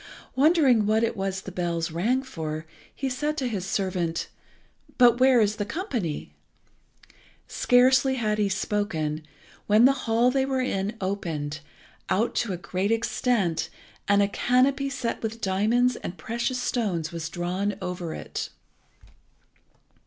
Wondering what it was the bells rang for, he said to his servant "But where is the company?" Scarcely had he spoken when the hall they were in opened out to a great extent, and a canopy set with diamonds and precious stones was drawn over it.